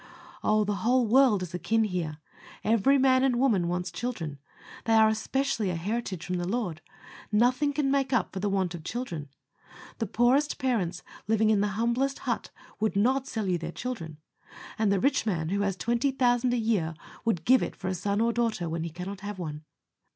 Oh! the whole world is akin here. Every man and woman wants children. They are especially a heritage from the Lord. Nothing can make up for the want of children. The poorest parents, living in the humblest hut, would not sell you their children, and the rich man, who has twenty thousand a year, would give it for a son or for a daughter, when he cannot have one.